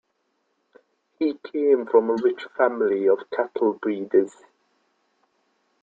He came from a rich family of cattle breeders.